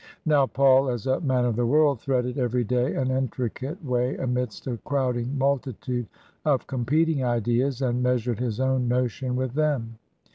Now Paul, as a man of the world, threaded every day an intricate way amidst a crowding multitude of competing ideas, and measured his own notion with them.